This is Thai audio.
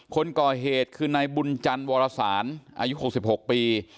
คนก่อเหตุคือนายบุญจันทร์วรสารอายุ๖๖ปี